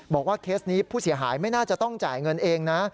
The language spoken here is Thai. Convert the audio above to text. เคสนี้ผู้เสียหายไม่น่าจะต้องจ่ายเงินเองนะ